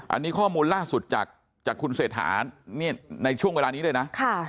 อันนี้ข้อมูลล่าสุดจากคุณเศรษฐาในช่วงเวลานี้เลยนะ